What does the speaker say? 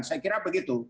saya kira begitu